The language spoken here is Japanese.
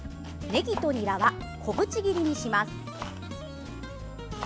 ねぎとにらは小口切りにします。